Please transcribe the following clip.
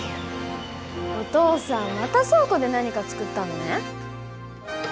お父さんまた倉庫で何か作ったのね。